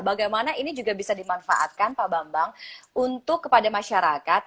bagaimana ini juga bisa dimanfaatkan pak bambang untuk kepada masyarakat